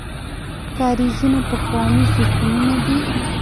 کاریزونه پخواني سیستمونه دي.